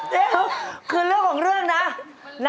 เต้นครับคือเรื่องของเรื่องนั้น